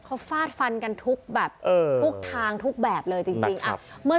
เขาฟาดฟันกันทุกแบบทุกทางทุกแบบเลยจริงเมื่อ